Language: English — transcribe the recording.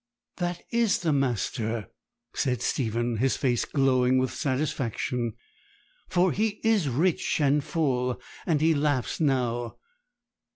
"' 'That is the master,' said Stephen, his face glowing with satisfaction, 'for he is rich and full, and he laughs now!'